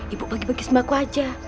ibu bagi bagi sembako aja